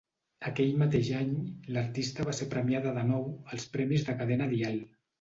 Aquell mateix any, l'artista va ser premiada de nou als premis de Cadena Dial.